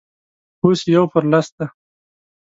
اوس يو پر لس دی.